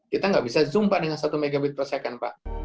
kita nggak bisa zumba dengan satu megabit per second